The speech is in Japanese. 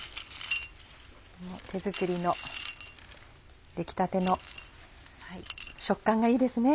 この手作りの出来たての食感がいいですね。